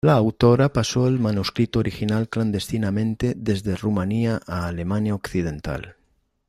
La autora pasó el manuscrito original clandestinamente desde Rumanía a Alemania Occidental.